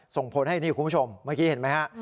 ส่งผลให้นี่คุณผู้ชมเมื่อกี้เห็นไหมฮะ